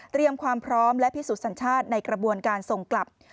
ความพร้อมและพิสูจน์สัญชาติในกระบวนการส่งกลับ